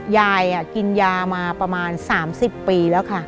ยายกินยามาประมาณ๓๐ปีแล้วค่ะ